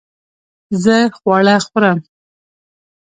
زه خواړه خورم